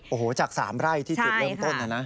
โอ้โฮจาก๓ไร่ที่๑๐เริ่มต้นนะ